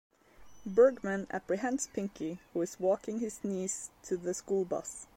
Bergman apprehends Pinky, who is walking his niece to the school bus.